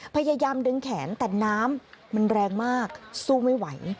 พยายามดึงแขนแต่น้ำมันแรงมากสู้ไม่ไหว